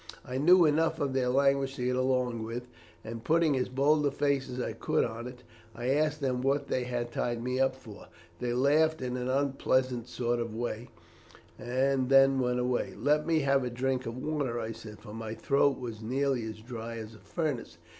I knew enough of their language to get along with, and, putting as bold a face as I could on it, I asked them what they had tied me up for. They laughed in an unpleasant sort of way, and then went away. 'Let me have a drink of water,' I said, for my throat was nearly as dry as a furnace.